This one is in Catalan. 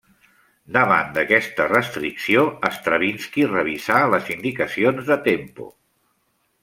Davant d'aquesta restricció Stravinski revisà les indicacions de tempo.